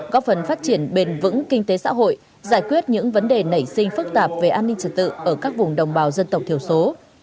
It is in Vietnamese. góp phần phát triển bền vững kinh tế xã hội giải quyết những vấn đề nảy sinh phức tạp về an ninh trật tự ở các vùng đồng bào dân tộc thiểu số